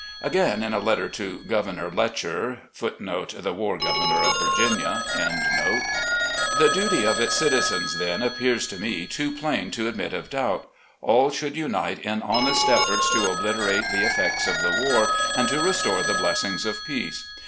..." Again, in a letter to Governor Letcher*: .. The duty of its citizens, then, appears to me too plain to admit of doubt. All should unite in honest efforts to obliterate the effects of the war and to restore the blessings of peace.